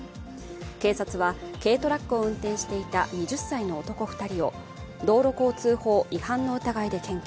警察は軽トラックを運転していた２０歳の男２人を道路交通法違反の疑いで検挙。